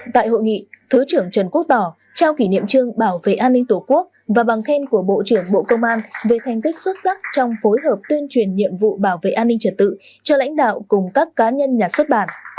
tại hội nghị thứ trưởng trần quốc tỏ trao kỷ niệm trương bảo vệ an ninh tổ quốc và bằng khen của bộ trưởng bộ công an về thành tích xuất sắc trong phối hợp tuyên truyền nhiệm vụ bảo vệ an ninh trật tự cho lãnh đạo cùng các cá nhân nhà xuất bản